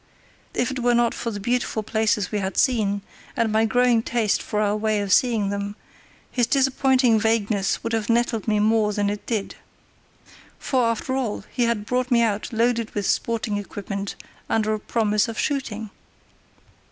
If it were not for the beautiful places we had seen, and my growing taste for our way of seeing them, his disappointing vagueness would have nettled me more than it did. For, after all, he had brought me out loaded with sporting equipment under a promise of shooting.